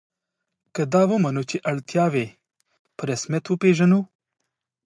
که دا ومنو چې اړتیاوې په رسمیت وپېژنو.